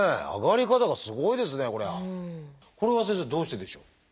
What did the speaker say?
これは先生どうしてでしょう？